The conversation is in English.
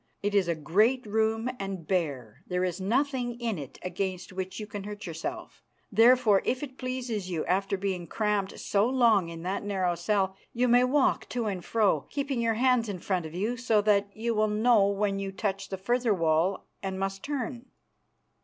It is a great room and bare. There is nothing in it against which you can hurt yourself. Therefore, if it pleases you after being cramped so long in that narrow cell, you may walk to and fro, keeping your hands in front of you so that you will know when you touch the further wall and must turn."